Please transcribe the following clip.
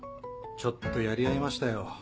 ちょっとやり合いましたよ